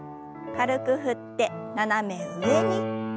軽く振って斜め上に。